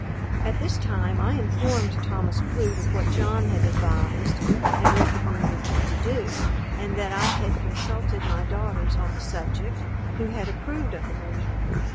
At this time I informed Thomas Clute of what John had advised, and recommended me to do, and that I had consulted my daughters on the subject, who had approved of the measure.